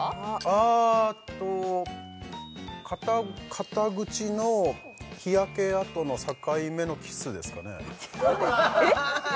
あっと肩口の日焼けあとの境目のキスですかねえっ！？